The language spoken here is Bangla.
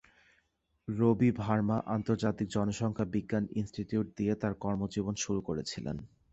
রবি ভার্মা আন্তর্জাতিক জনসংখ্যা বিজ্ঞান ইনস্টিটিউট দিয়ে তার কর্মজীবন শুরু করেছিলেন যেখানে তিনি জনসংখ্যা নীতি ও প্রোগ্রাম বিভাগের অধ্যাপক ছিলেন।